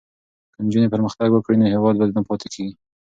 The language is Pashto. که نجونې پرمختګ وکړي نو هیواد به نه پاتې کېږي.